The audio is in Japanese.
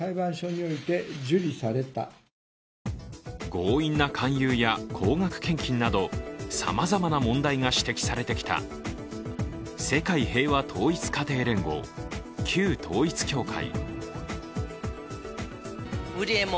強引な勧誘や高額献金などさまざまな問題が指摘されてきた世界平和統一家庭連合、旧統一教会。